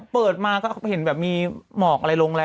เปิดมาก็เห็นแบบมีหมอกอะไรลงแล้ว